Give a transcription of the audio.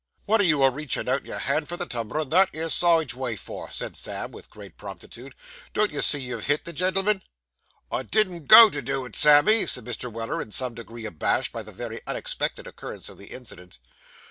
'Wot are you a reachin' out, your hand for the tumbler in that 'ere sawage way for?' said Sam, with great promptitude. 'Don't you see you've hit the gen'l'm'n?' 'I didn't go to do it, Sammy,' said Mr. Weller, in some degree abashed by the very unexpected occurrence of the incident.